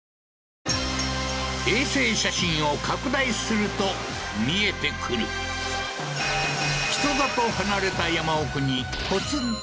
衛星写真を拡大すると見えてくる人里離れた